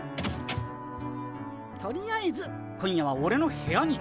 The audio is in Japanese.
とりあえず今夜はオレの部屋に。